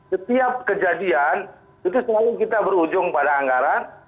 setiap kejadian itu selalu kita berujung pada anggaran